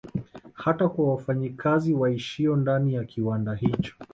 Hata kwa wafanya kazi waishio ndani ya kiwanda hicho